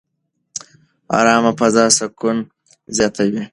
ارامه فضا سکون زیاتوي.